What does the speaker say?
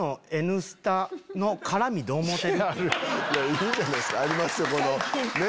いいじゃないっすかありますよこのね。